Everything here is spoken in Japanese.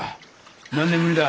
何年ぶりだ。